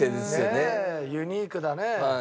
ねえユニークだね。